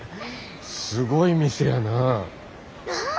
すごい店やなあ。